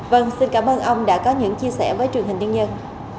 vâng xin cảm ơn ông đã có những chia sẻ với truyền hình nhân dân